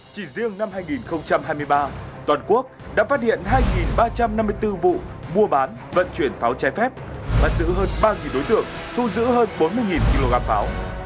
chỉ riêng năm hai nghìn hai mươi ba toàn quốc đã phát hiện hai ba trăm năm mươi bốn vụ mua bán vận chuyển pháo trái phép bắt giữ hơn ba đối tượng thu giữ hơn bốn mươi kg pháo